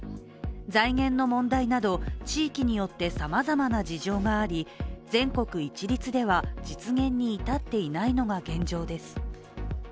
財源の問題など地域によってさまざまな事情があり、全国一律では実現に至っていないのが現状です。